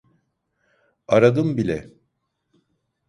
Aradım bile.